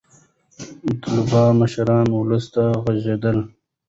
ملتپال مشران ولس ته غږېدل.